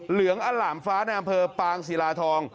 เหลืองอล่ามฟ้าในอำเภอปางศิลาทอง